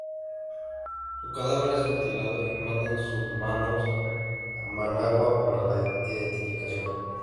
Su cadáver es mutilado y mandan sus manos a Managua para la identificación.